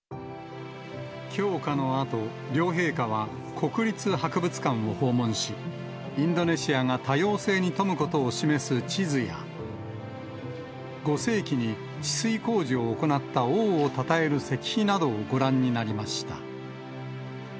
供花のあと、両陛下は国立博物館を訪問し、インドネシアが多様性に富むことを示す地図や、５世紀に治水工事を行った王をたたえる石碑などをご覧になりました。